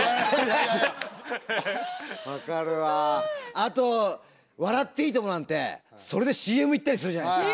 あと「笑っていいとも！」なんてそれでＣＭ行ったりするじゃないですか。